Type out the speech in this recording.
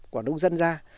của nông dân ra